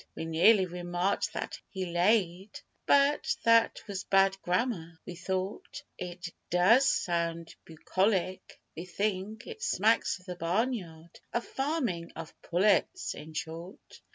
(We nearly remarked that he laid, But that was bad grammar we thought It does sound bucolic, we think It smacks of the barnyard Of farming of pullets in short.)